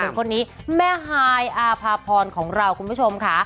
คนนี้แม่ฮายอาภาพรของเราคุณผู้ชมค่ะ